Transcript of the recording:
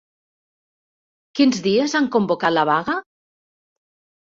Quins dies han convocat la vaga?